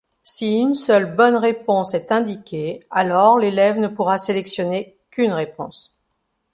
Si une seule bonne réponse est indiquée, alors l'élève ne pourra sélectionner qu'une réponse.